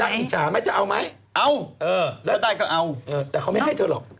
อิจฉาไหมจะเอาไหมเอาเออแล้วได้ก็เอาแต่เขาไม่ให้เธอหรอก